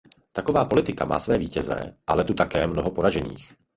Taková politika má své vítěze, ale tu také mnoho poražených.